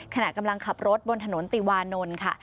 ขณะกำลังขับรถบนถนนติวานนท์ค่ะ